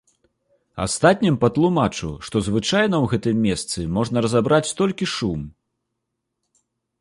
Астатнім патлумачу, што звычайна ў гэтым месцы можна разабраць толькі шум.